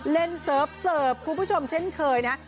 เสิร์ฟเสิร์ฟคุณผู้ชมเช่นเคยนะ